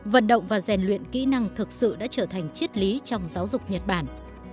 vận động và rèn luyện kỹ năng thực sự đã trở thành chiết lý trong giáo dục nhật bản